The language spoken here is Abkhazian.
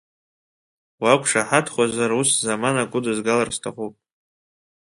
Уақәшаҳаҭхозар ус заманак удызгалар сҭахуп!